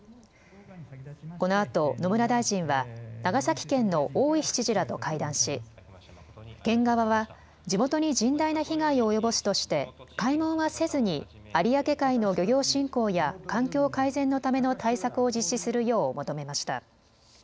このあと野村大臣は長崎県の大石知事らと会談し県側は地元に甚大な被害を及ぼすとして開門はせずに有明海の漁業振興や環境を改善のための対策を実施するよう求めました。